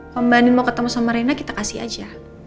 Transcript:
kalo mbak andin mau ketemu sama rena kita kasih aja